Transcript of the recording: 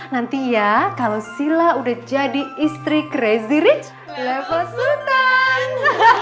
nanti ya kalau sila udah jadi istri crazy rich level